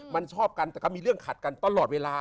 มันชอบกันแต่ก็มีเรื่องขัดกันตลอดเวลา